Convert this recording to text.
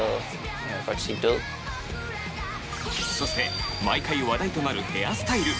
そして毎回話題となるヘアスタイル。